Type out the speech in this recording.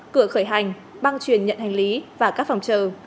cửa khởi hành băng truyền nhận hành lý và các phòng chờ